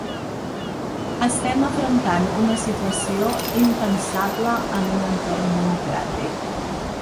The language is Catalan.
Estem afrontant una situació impensable en un entorn democràtic.